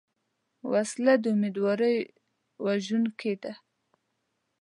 وسله د امیدواري وژونکې ده